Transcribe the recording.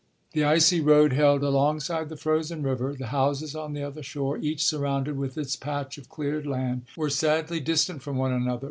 The icy road held alongside the frozen river. The houses on the other shore, each surrounded with its patch of cleared land, were sadly distant from one another.